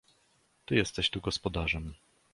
"Ty jesteś tu gospodarzem."